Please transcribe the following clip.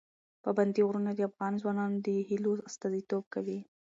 پابندی غرونه د افغان ځوانانو د هیلو استازیتوب کوي.